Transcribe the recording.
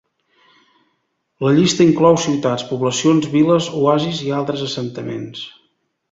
La llista inclou ciutats, poblacions, viles, oasis i altres assentaments.